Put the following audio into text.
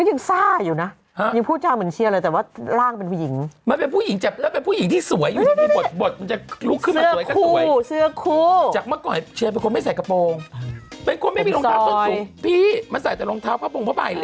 เอาเชียร์ที่คำพอด์แล้วกันนะฮะ